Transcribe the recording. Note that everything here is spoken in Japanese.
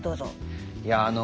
いやあの